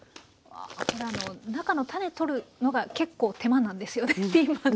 中の種取るのが結構手間なんですよね。